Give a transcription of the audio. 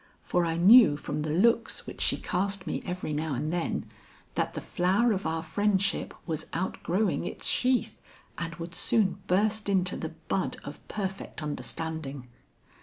For I knew from the looks which she cast me every now and then, that the flower of our friendship was outgrowing its sheath and would soon burst into the bud of perfect understanding.